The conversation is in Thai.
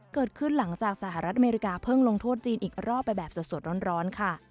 เกิดขึ้นหลังจากสหรัฐอเมริกาเพิ่งลงโทษจีนอีกรอบไปแบบสดร้อนค่ะ